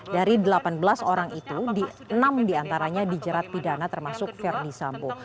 dari delapan belas orang itu enam diantaranya dijerat pidana termasuk verdi sambo